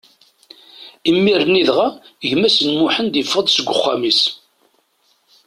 Imir-nni dɣa, gma-s n Mḥend yeffeɣ-d seg uxxam-is.